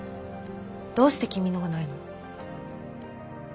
どうして君のがないの？